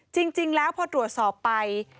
จริงแล้วพอตรวจสอบไป